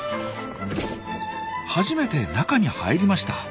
初めて中に入りました。